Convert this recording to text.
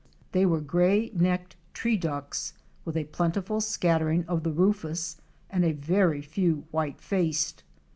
They were Gray necked Tree ducks * with a plen tiful scattering of the Rufous" and a very few White faced."